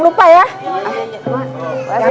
mas selamat siang